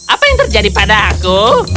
apa yang terjadi pada aku